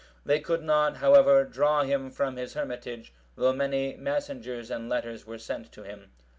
They could not, however, draw him from his hermitage, though many messengers and letters were sent to him.